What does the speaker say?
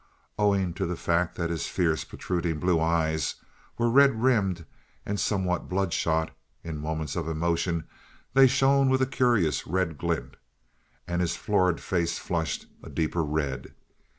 Owing to the fact that his fierce, protruding blue eyes were red rimmed and somewhat bloodshot, in moments of emotion they shone with a curious red glint, and his florid face flushed a deeper red.